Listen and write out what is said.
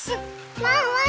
ワンワン